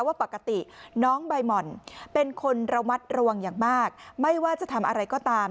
ว่าปกติน้องใบหม่อนเป็นคนระมัดระวังอย่างมากไม่ว่าจะทำอะไรก็ตาม